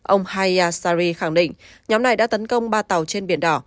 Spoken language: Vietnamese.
ông haya sari khẳng định nhóm này đã tấn công ba tàu trên biển đỏ